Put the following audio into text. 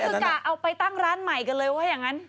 เพึ่งมีการเอาไปตั้งร้านใหม่เร็วมาเยี่ยมไม่ได้ว่ายังงั้น